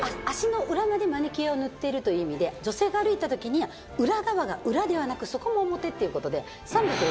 足の裏までマニキュアを塗ってるという意味で女性が歩いたときに裏側が裏ではなく底も表っていうことで。